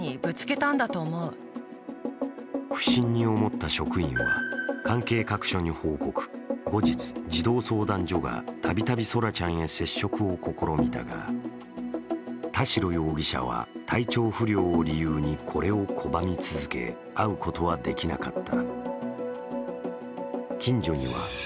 不審に思った職員は関係各所に報告、後日、児童相談所がたびたび空来ちゃんへ接触を試みたが田代容疑者は体調不良を理由にこれを拒み続け会うことはできなかった。